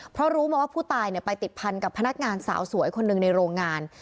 เพราะรู้มาว่าผู้ตายไปติดพันกับพนักงานสาวสวยคนหนึ่งในโรงงาน